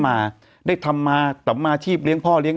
มันติดคุกออกไปออกมาได้สองเดือน